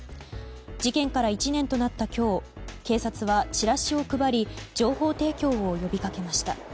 事件から１年となった今日警察はチラシを配り情報提供を呼びかけました。